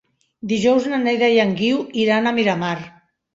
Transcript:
Dijous na Neida i en Guiu iran a Miramar.